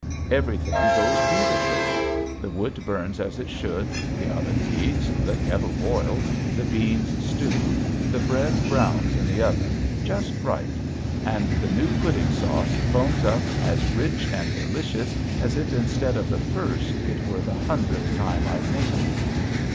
Everything goes beautifully; the wood burns as it should, the oven heats, the kettle boils, the beans stew, the bread browns in the oven just right, and the new pudding sauce foams up as rich and delicious as if instead of the first it were the hundredth time I'd made it.